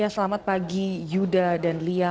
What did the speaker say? selamat pagi yuda dan lia